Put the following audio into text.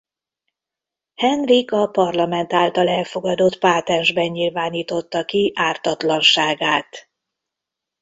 Henrik a parlament által elfogadott pátensben nyilvánította ki ártatlanságát.